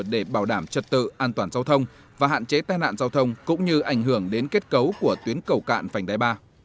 để bảo đảm trật tự an toàn giao thông và hạn chế tai nạn giao thông cũng như ảnh hưởng đến kết cấu của tuyến cầu cạn vành đai ba